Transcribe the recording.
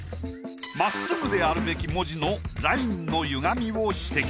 真っすぐであるべき文字のラインの歪みを指摘。